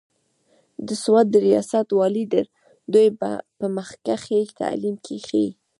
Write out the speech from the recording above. د سوات د رياست والي د دوي پۀ مخکښې تعليم کښې